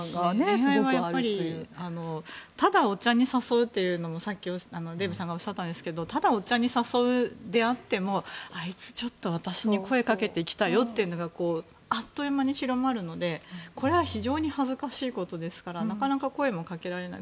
恋愛はただお茶に誘うっていうさっきデーブさんがおっしゃったんですけどただお茶に誘う出会ってもあいつ、ちょっと私に声掛けてきたよっていうのがあっという間に広まるのでこれは非常に恥ずかしいことですからなかなか声もかけられない。